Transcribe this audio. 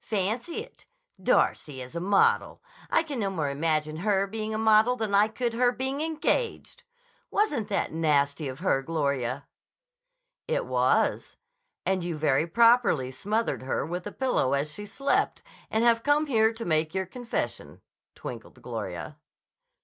Fancy it! Darcy as a model! I can no more imagine her being a model than I could her being engaged.' Wasn't that nasty of her, Gloria!" "It was. And you very properly smothered her with a pillow as she slept and have come here to make your confession," twinkled Gloria.